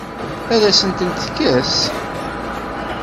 Ad asen-tent-tekkes?